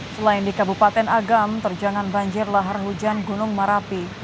selain di kabupaten agam terjangan banjir lahar hujan gunung merapi